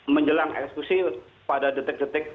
menjelang ekskusi pada detik detik